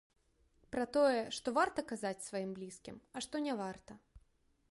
Пра тое, што варта казаць, сваім блізкім, а што не варта.